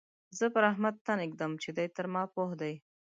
زه پر احمد تن اېږدم چې دی تر ما پوه دی.